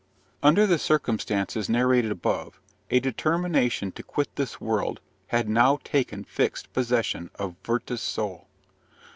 Under the circumstances narrated above, a determination to quit this world had now taken fixed possession of Werther's soul.